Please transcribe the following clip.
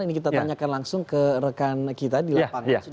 ini kita tanyakan langsung ke rekan kita di lapangan